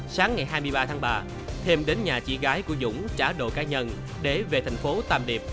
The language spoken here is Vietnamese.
sáng ngày hai mươi ba tháng ba thêm đến nhà chị gái của dũng trả đồ cá nhân để về thành phố tam điệp